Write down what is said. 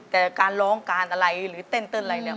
แต่การร้องการอะไรหรือเต้นเต้นอะไรเนี่ย